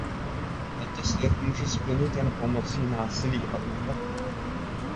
Tento slib může splnit jen pomocí násilí a útlaku.